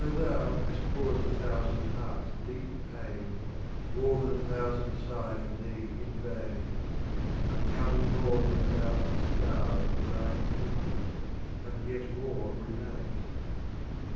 37. thou hast caused a Thousand Hearts deep pain, More than a Thousand siq h for thee in vain, I've counted far more than a thousand Scars Of thine inflicting, and yet More remain.